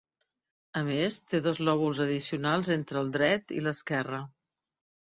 A més, té dos lòbuls addicionals entre el dret i l'esquerre.